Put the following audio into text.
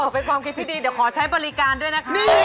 เป็นความคิดที่ดีเดี๋ยวขอใช้บริการด้วยนะคะ